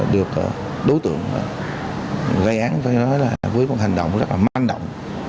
được đối tượng gây án với một hành động rất là manh động